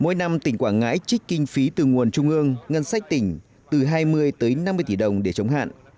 mỗi năm tỉnh quảng ngãi trích kinh phí từ nguồn trung ương ngân sách tỉnh từ hai mươi tới năm mươi tỷ đồng để chống hạn